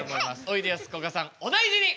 お大事に！